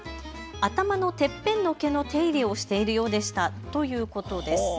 頭のてっぺんの毛の手入れをしているようでしたということです。